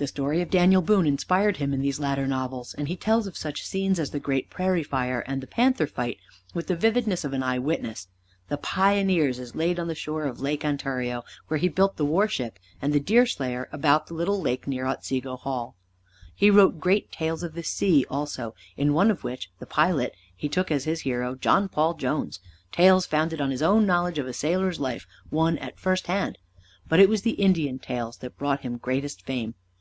The story of Daniel Boone inspired him in these latter novels, and he tells of such scenes as the great prairie fire and the panther fight with the vividness of an eye witness. "The Pioneers" is laid on the shores of Lake Ontario where he built the war ship, and "The Deerslayer" about the little lake near Otsego Hall. He wrote great tales of the sea also, in one of which, "The Pilot," he took as his hero John Paul Jones, tales founded on his own knowledge of a sailor's life won at first hand; but it was the Indian tales that brought him greatest fame.